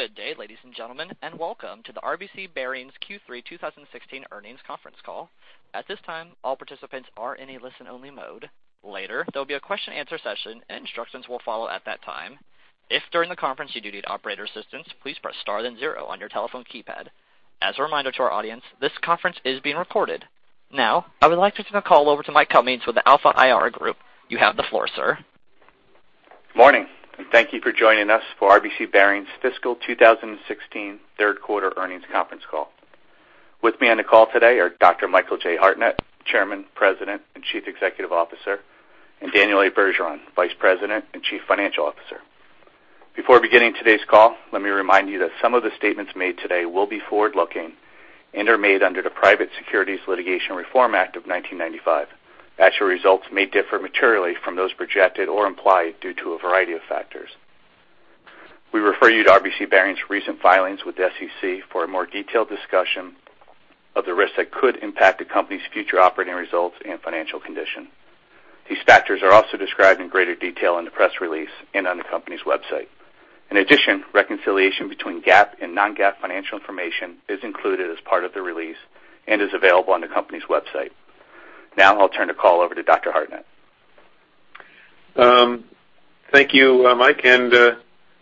Good day, ladies and gentlemen, and welcome to the RBC Bearings Q3 2016 earnings conference call. At this time, all participants are in a listen-only mode. Later, there will be a question-and-answer session, and instructions will follow at that time. If during the conference you do need operator assistance, please press star then zero on your telephone keypad. As a reminder to our audience, this conference is being recorded. Now, I would like to turn the call over to Mike Cummings with the Alpha IR Group. You have the floor, sir. Good morning, and thank you for joining us for RBC Bearings' fiscal 2016 third quarter earnings conference call. With me on the call today are Dr. Michael J. Hartnett, Chairman, President, and Chief Executive Officer, and Daniel Bergeron, Vice President and Chief Financial Officer. Before beginning today's call, let me remind you that some of the statements made today will be forward-looking and are made under the Private Securities Litigation Reform Act of 1995. Actual results may differ materially from those projected or implied due to a variety of factors. We refer you to RBC Bearings' recent filings with the SEC for a more detailed discussion of the risks that could impact the company's future operating results and financial condition. These factors are also described in greater detail in the press release and on the company's website. In addition, reconciliation between GAAP and non-GAAP financial information is included as part of the release and is available on the company's website. Now, I'll turn the call over to Dr. Hartnett. Thank you, Mike, and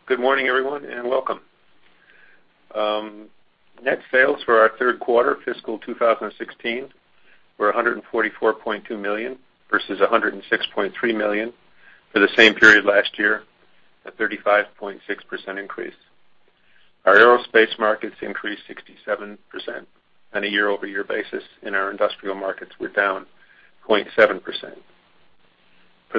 good morning, everyone, and welcome. Net sales for our third quarter fiscal 2016 were $144.2 million versus $106.3 million for the same period last year, a 35.6% increase. Our aerospace markets increased 67% on a year-over-year basis, and our industrial markets were down 0.7%. For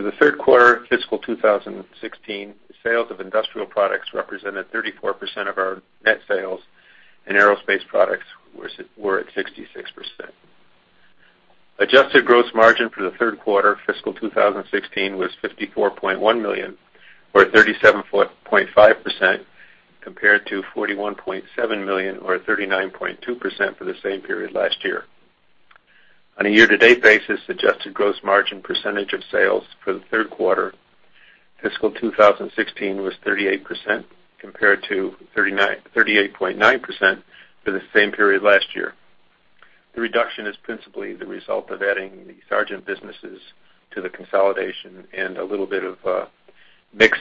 the third quarter fiscal 2016, sales of industrial products represented 34% of our net sales, and aerospace products were at 66%. Adjusted gross margin for the third quarter fiscal 2016 was $54.1 million, or 37.5%, compared to $41.7 million, or 39.2% for the same period last year. On a year-to-date basis, adjusted gross margin percentage of sales for the third quarter fiscal 2016 was 38%, compared to 38.9% for the same period last year. The reduction is principally the result of adding the Sargent businesses to the consolidation and a little bit of mix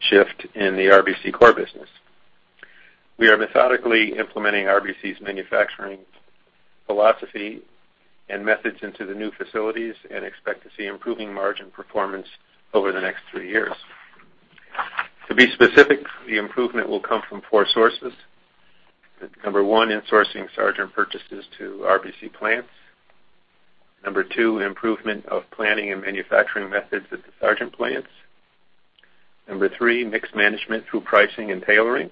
shift in the RBC core business. We are methodically implementing RBC's manufacturing philosophy and methods into the new facilities and expect to see improving margin performance over the next three years. To be specific, the improvement will come from four sources. Number one, insourcing Sargent purchases to RBC plants. Number two, improvement of planning and manufacturing methods at the Sargent plants. Number three, mix management through pricing and tailoring.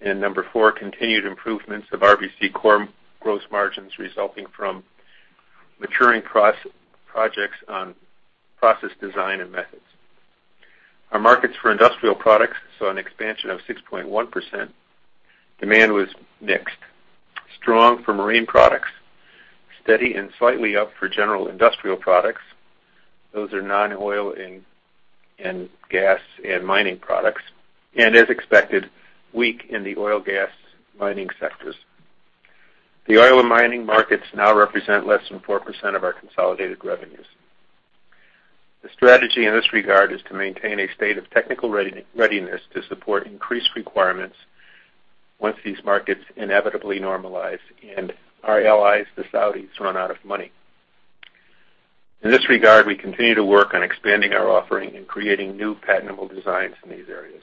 And number four, continued improvements of RBC core gross margins resulting from maturing process projects on process design and methods. Our markets for industrial products, so an expansion of 6.1%, demand was mixed. Strong for marine products, steady and slightly up for general industrial products. Those are non-oil and gas and mining products. As expected, weak in the oil/gas mining sectors. The oil and mining markets now represent less than 4% of our consolidated revenues. The strategy in this regard is to maintain a state of technical readiness to support increased requirements once these markets inevitably normalize and our allies, the Saudis, run out of money. In this regard, we continue to work on expanding our offering and creating new patentable designs in these areas.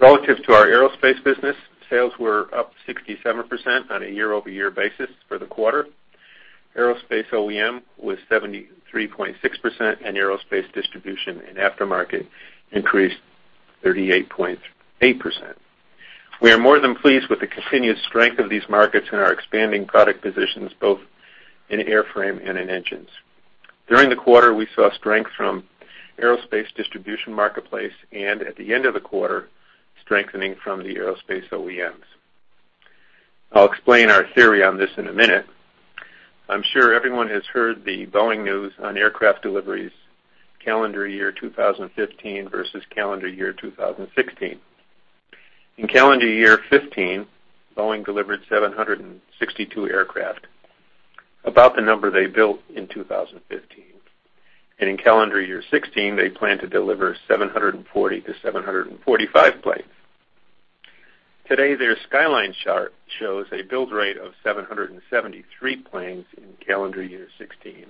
Relative to our aerospace business, sales were up 67% on a year-over-year basis for the quarter. Aerospace OEM was 73.6%, and aerospace distribution and aftermarket increased 38.8%. We are more than pleased with the continued strength of these markets in our expanding product positions, both in airframe and in engines. During the quarter, we saw strength from aerospace distribution marketplace, and at the end of the quarter, strengthening from the aerospace OEMs. I'll explain our theory on this in a minute. I'm sure everyone has heard the Boeing news on aircraft deliveries, calendar year 2015 versus calendar year 2016. In calendar year 2015, Boeing delivered 762 aircraft, about the number they built in 2015. In calendar year 2016, they planned to deliver 740-745 planes. Today, their Skyline chart shows a build rate of 773 planes in calendar year 2016,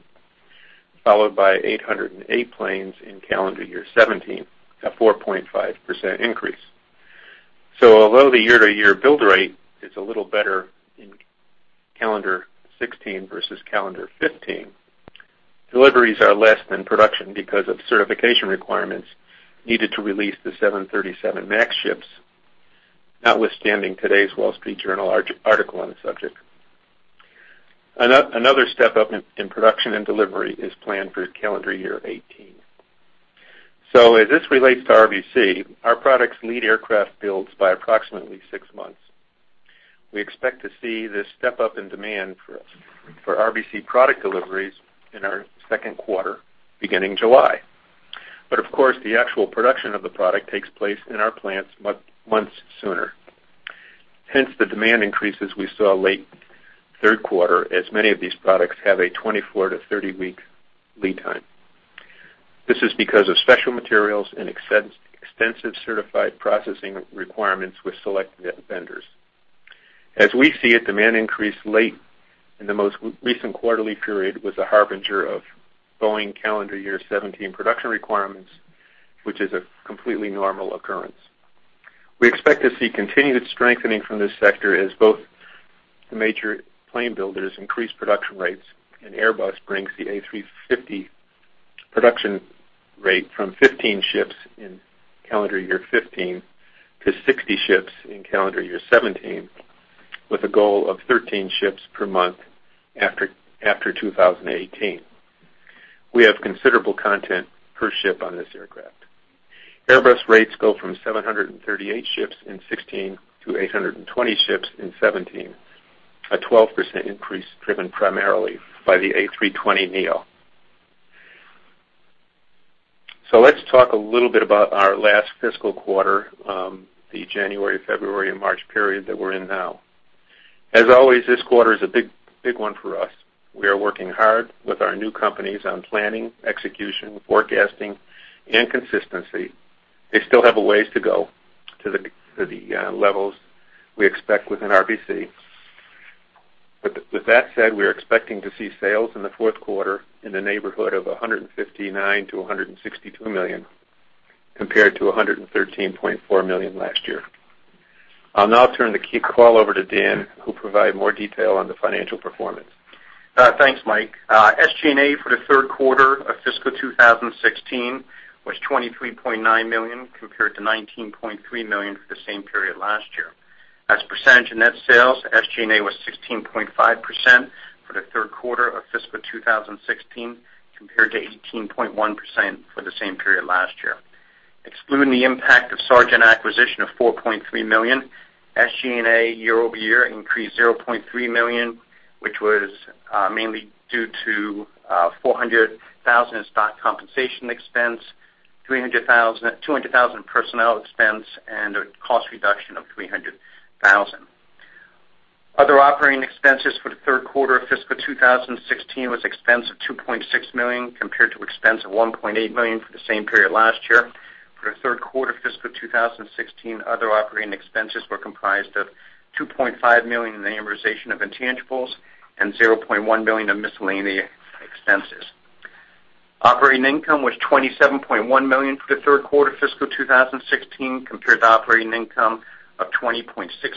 followed by 808 planes in calendar year 2017, a 4.5% increase. Although the year-to-year build rate is a little better in calendar 2016 versus calendar 2015, deliveries are less than production because of certification requirements needed to release the 737 MAX ships, notwithstanding today's Wall Street Journal article on the subject. Another step up in production and delivery is planned for calendar year 2018. As this relates to RBC, our products lead aircraft builds by approximately six months. We expect to see this step up in demand for RBC product deliveries in our second quarter beginning July. But of course, the actual production of the product takes place in our plants months sooner. Hence, the demand increases we saw late third quarter as many of these products have a 24-30-week lead time. This is because of special materials and extensive certified processing requirements with selected vendors. As we see it, demand increase late in the most recent quarterly period was a harbinger of Boeing calendar year 2017 production requirements, which is a completely normal occurrence. We expect to see continued strengthening from this sector as both the major plane builders increase production rates, and Airbus brings the A350 production rate from 15 ships in calendar year 2015 to 60 ships in calendar year 2017, with a goal of 13 ships per month after 2018. We have considerable content per ship on this aircraft. Airbus rates go from 738 ships in 2016 to 820 ships in 2017, a 12% increase driven primarily by the A320neo. So let's talk a little bit about our last fiscal quarter, the January, February, and March period that we're in now. As always, this quarter is a big, big one for us. We are working hard with our new companies on planning, execution, forecasting, and consistency. They still have a ways to go to the levels we expect within RBC. But with that said, we are expecting to see sales in the fourth quarter in the neighborhood of $159 million-$162 million, compared to $113.4 million last year. I'll now turn the call over to Dan, who provided more detail on the financial performance. Thanks, Mike. SG&A for the third quarter of fiscal 2016 was $23.9 million, compared to $19.3 million for the same period last year. As percentage of net sales, SG&A was 16.5% for the third quarter of fiscal 2016, compared to 18.1% for the same period last year. Excluding the impact of Sargent acquisition of $4.3 million, SG&A year-over-year increased $0.3 million, which was, mainly due to, $400,000 in stock compensation expense, $200,000 in personnel expense, and a cost reduction of $300,000. Other operating expenses for the third quarter of fiscal 2016 was expense of $2.6 million, compared to expense of $1.8 million for the same period last year. For the third quarter fiscal 2016, other operating expenses were comprised of $2.5 million in amortization of intangibles and $0.1 million in miscellaneous expenses. Operating income was $27.1 million for the third quarter fiscal 2016, compared to operating income of $20.6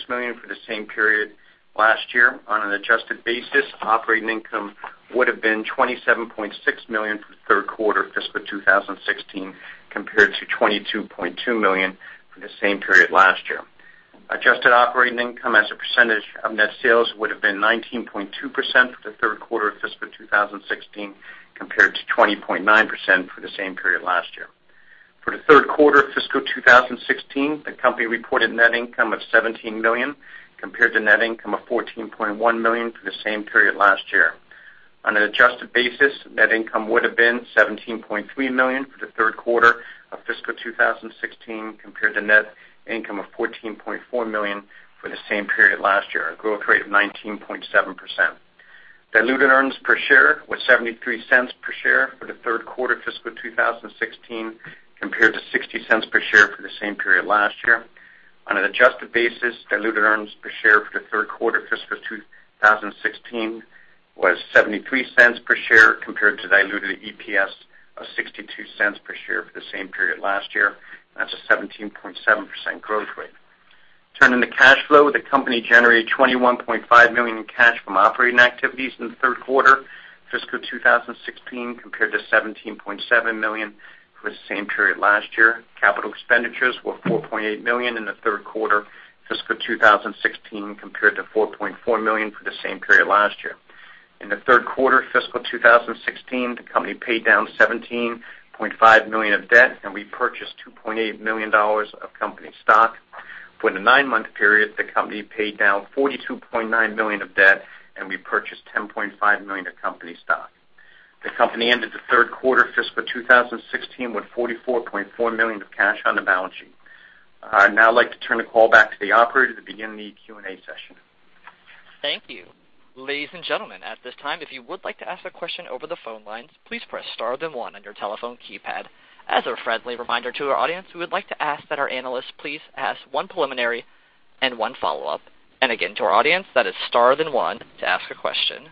million for the same period last year. On an adjusted basis, operating income would have been $27.6 million for the third quarter fiscal 2016, compared to $22.2 million for the same period last year. Adjusted operating income, as a percentage of net sales, would have been 19.2% for the third quarter of fiscal 2016, compared to 20.9% for the same period last year. For the third quarter fiscal 2016, the company reported net income of $17 million, compared to net income of $14.1 million for the same period last year. On an adjusted basis, net income would have been $17.3 million for the third quarter of fiscal 2016, compared to net income of $14.4 million for the same period last year, a growth rate of 19.7%. Diluted earnings per share was $0.73 per share for the third quarter fiscal 2016, compared to $0.60 per share for the same period last year. On an adjusted basis, diluted earnings per share for the third quarter fiscal 2016 was $0.73 per share, compared to diluted EPS of $0.62 per share for the same period last year, and that's a 17.7% growth rate. Turning to cash flow, the company generated $21.5 million in cash from operating activities in the third quarter fiscal 2016, compared to $17.7 million for the same period last year. Capital expenditures were $4.8 million in the third quarter fiscal 2016, compared to $4.4 million for the same period last year. In the third quarter fiscal 2016, the company paid down $17.5 million of debt and repurchased $2.8 million of company stock. For the nine-month period, the company paid down $42.9 million of debt and repurchased $10.5 million of company stock. The company ended the third quarter fiscal 2016 with $44.4 million of cash on the balance sheet. I'd now like to turn the call back to the operator to begin the Q&A session. Thank you. Ladies and gentlemen, at this time, if you would like to ask a question over the phone lines, please press star, then one on your telephone keypad. As a friendly reminder to our audience, we would like to ask that our analysts please ask one preliminary and one follow-up. Again, to our audience, that is star, then one to ask a question.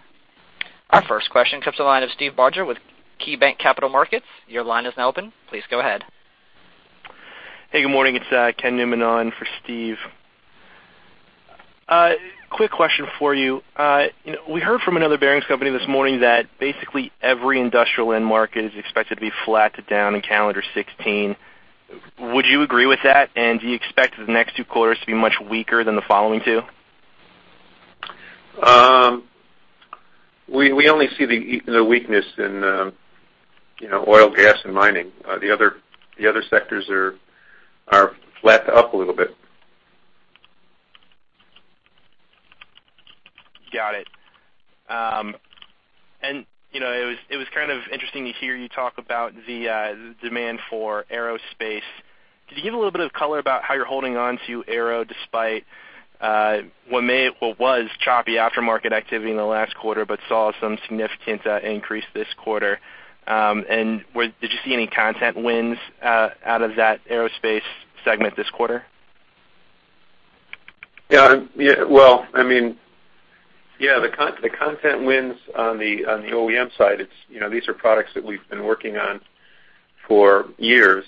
Our first question comes to the line of Steve Barger with KeyBanc Capital Markets. Your line is now open. Please go ahead. Hey, good morning. It's Ken Newman on for Steve. Quick question for you. You know, we heard from another bearings company this morning that basically every industrial end market is expected to be flattened down in calendar 2016. Would you agree with that? And do you expect the next two quarters to be much weaker than the following two? We only see the weakness in, you know, oil, gas, and mining. The other sectors are flattened up a little bit. Got it. You know, it was kind of interesting to hear you talk about the demand for aerospace. Could you give a little bit of color about how you're holding on to aero despite what was choppy aftermarket activity in the last quarter but saw some significant increase this quarter? And where did you see any content wins out of that aerospace segment this quarter? Yeah. Well, I mean, yeah, the content wins on the OEM side. It's, you know, these are products that we've been working on for years,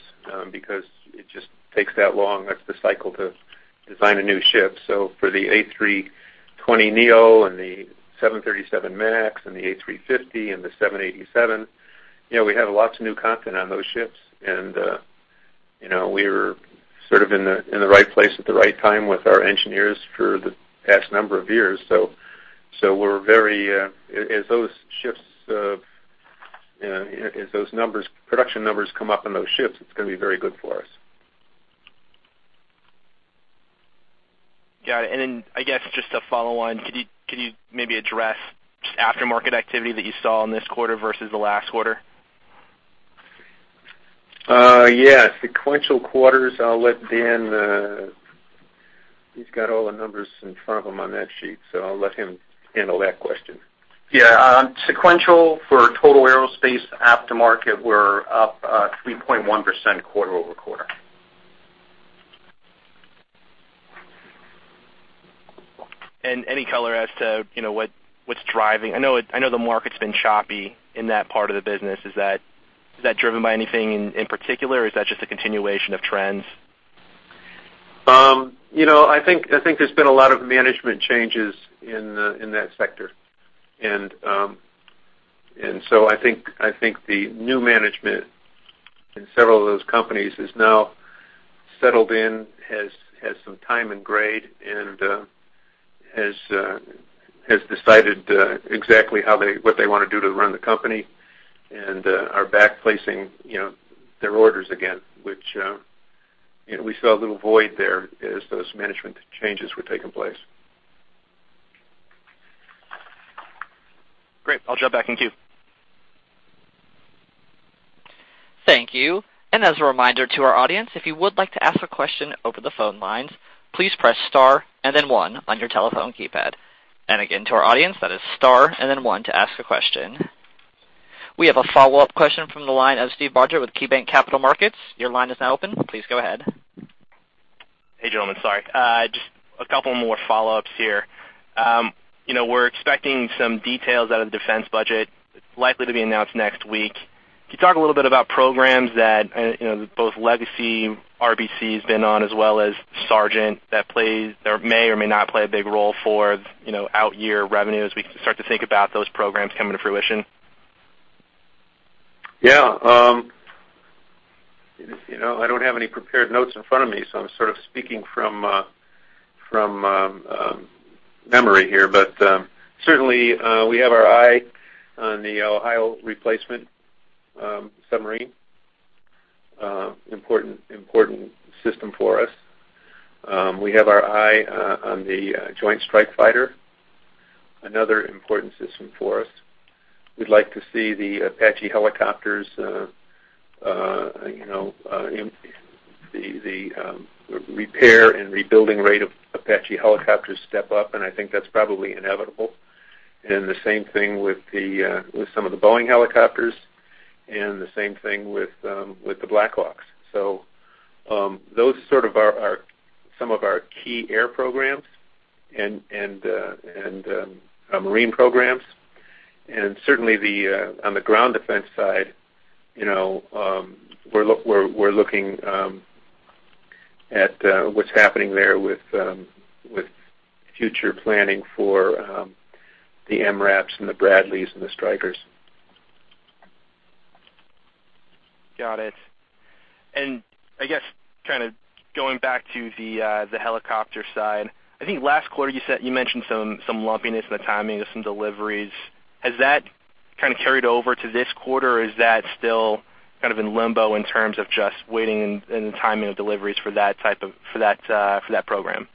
because it just takes that long. That's the cycle to design a new ship. So for the A320neo and the 737 MAX and the A350 and the 787, you know, we have lots of new content on those ships. And, you know, we were sort of in the right place at the right time with our engineers for the past number of years. So we're very, as those ships, as those numbers, production numbers come up on those ships, it's gonna be very good for us. Got it. And then I guess just a follow-on, could you, could you maybe address just Aftermarket activity that you saw in this quarter versus the last quarter? Yeah. Sequential quarters. I'll let Dan. He's got all the numbers in front of him on that sheet, so I'll let him handle that question. Yeah, sequential for total aerospace aftermarket, we're up 3.1% quarter-over-quarter. Any color as to, you know, what, what's driving? I know the market's been choppy in that part of the business. Is that driven by anything in particular, or is that just a continuation of trends? You know, I think there's been a lot of management changes in that sector. So I think the new management in several of those companies has now settled in, has some time in grade, and has decided exactly what they wanna do to run the company and are backplacing their orders again, you know, which we saw a little void there as those management changes were taking place. Great. I'll jump back in queue. Thank you. As a reminder to our audience, if you would like to ask a question over the phone lines, please press star and then one on your telephone keypad. Again, to our audience, that is star and then one to ask a question. We have a follow-up question from the line of Steve Barger with KeyBanc Capital Markets. Your line is now open. Please go ahead. Hey, gentlemen. Sorry. Just a couple more follow-ups here. You know, we're expecting some details out of the defense budget. It's likely to be announced next week. Could you talk a little bit about programs that, you know, both legacy RBC has been on as well as Sargent that plays that may or may not play a big role for, you know, out-year revenue as we start to think about those programs coming to fruition? Yeah, you know, I don't have any prepared notes in front of me, so I'm sort of speaking from memory here. But certainly, we have our eye on the Ohio replacement submarine, an important system for us. We have our eye on the Joint Strike Fighter, another important system for us. We'd like to see the Apache helicopters, you know, the repair and rebuilding rate of Apache helicopters step up, and I think that's probably inevitable. And the same thing with some of the Boeing helicopters, and the same thing with the Black Hawks. So, those sort of are some of our key air programs and our marine programs. And certainly, on the ground defense side, you know, we're looking at what's happening there with future planning for the MRAPs and the Bradleys and the Strykers. Got it. And I guess kinda going back to the helicopter side, I think last quarter you said you mentioned some lumpiness in the timing of some deliveries. Has that kinda carried over to this quarter, or is that still kind of in limbo in terms of just waiting in the timing of deliveries for that type of program?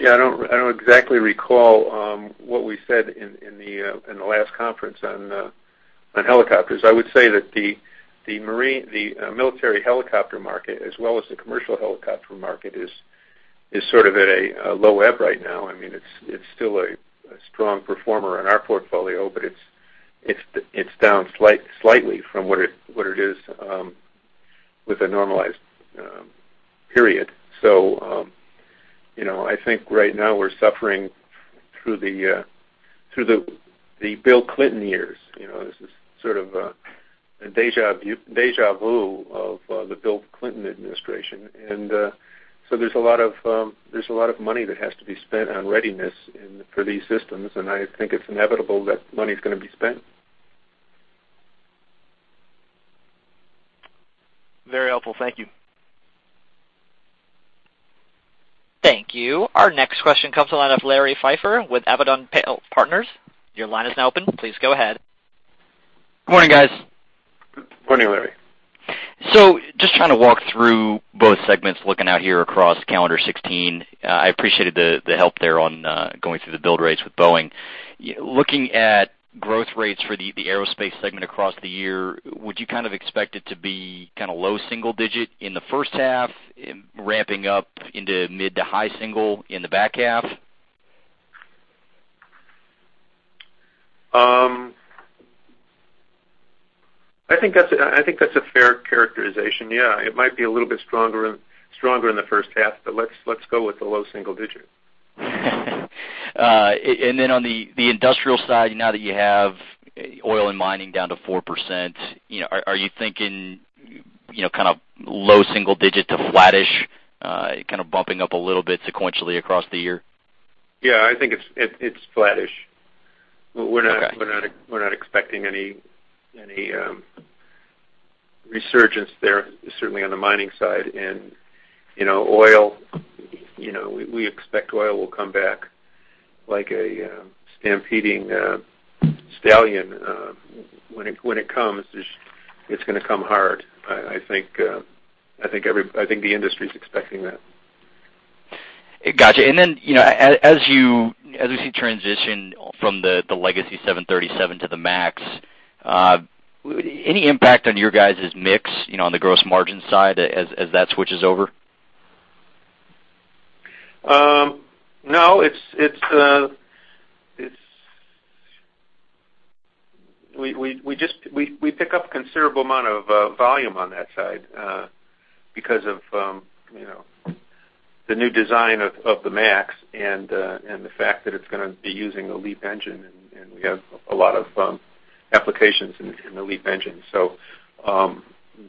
Yeah, I don't exactly recall what we said in the last conference on helicopters. I would say that the military helicopter market as well as the commercial helicopter market is sort of at a low ebb right now. I mean, it's still a strong performer in our portfolio, but it's down slightly from what it is with a normalized period. So, you know, I think right now we're suffering through the Bill Clinton years. You know, this is sort of a déjà vu of the Bill Clinton administration. So there's a lot of money that has to be spent on readiness for these systems, and I think it's inevitable that money's gonna be spent. Very helpful. Thank you. Thank you. Our next question comes to the line of Larry Pfeffer with Avondale Partners. Your line is now open. Please go ahead. Good morning, guys. Good morning, Larry. So just trying to walk through both segments looking out here across calendar 2016. I appreciated the help there going through the build rates with Boeing. Yeah, looking at growth rates for the aerospace segment across the year, would you kind of expect it to be kinda low single digit in the first half, it ramping up into mid to high single in the back half? I think that's a fair characterization. Yeah. It might be a little bit stronger in the first half, but let's go with the low single digit. And then on the industrial side, now that you have oil and mining down to 4%, you know, are you thinking, you know, kinda low single digit to flattish, kinda bumping up a little bit sequentially across the year? Yeah. I think it's flattish. We're not. Okay. We're not expecting any resurgence there, certainly on the mining side. And, you know, oil, you know, we expect oil will come back like a stampeding stallion, when it comes. It's gonna come hard. I think the industry's expecting that. Gotcha. And then, you know, as we see transition from the legacy 737 to the MAX, any impact on your guys' mix, you know, on the gross margin side as that switches over? No. It's we just pick up a considerable amount of volume on that side, because of you know the new design of the MAX and the fact that it's gonna be using a LEAP engine, and we have a lot of applications in the LEAP engine. So,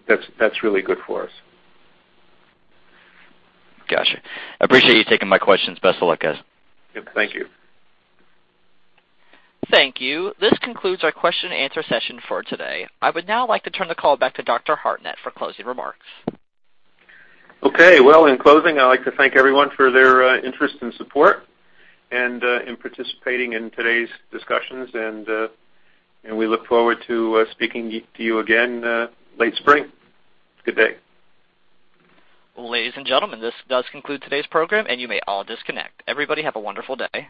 that's really good for us. Gotcha. Appreciate you taking my questions. Best of luck, guys. Yep. Thank you. Thank you. This concludes our question and answer session for today. I would now like to turn the call back to Dr. Hartnett for closing remarks. Okay. Well, in closing, I'd like to thank everyone for their interest and support and in participating in today's discussions. And we look forward to speaking to you again late spring. Good day. Well, ladies and gentlemen, this does conclude today's program, and you may all disconnect. Everybody have a wonderful day.